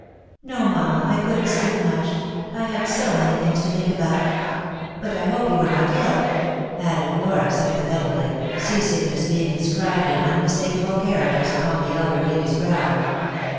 ""No, mamma, I couldn't sleep much; I had so many things to think about. But I hope you were not ill," added Flora sym pathetically, sea sickness being inscribed in unmistakable char acters upon the elder lady's brow.